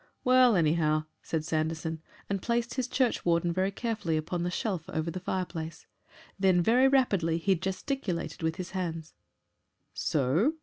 "Well, anyhow," said Sanderson, and placed his churchwarden very carefully upon the shelf over the fireplace. Then very rapidly he gesticulated with his hands. "So?"